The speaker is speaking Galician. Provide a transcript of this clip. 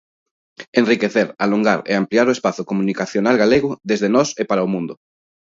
Enriquecer, alongar e ampliar o espazo comunicacional galego desde nós e para o mundo.